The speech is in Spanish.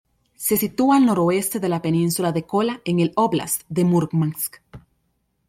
Se sitúa al noroeste de la península de Kola en el óblast de Múrmansk.